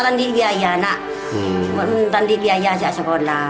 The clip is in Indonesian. jadi saya ingin belajar di sekolah